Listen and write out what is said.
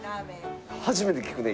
初めて聞くね